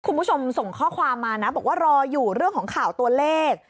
คุณผู้ชมส่งข้อความมานะบอกว่ารออยู่เรื่องของข่าวตัวเลข